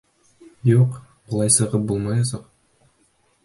Юҡ, былай сығып булмаясаҡ.